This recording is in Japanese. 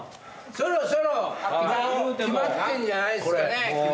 そろそろ決まってんじゃないっすかね。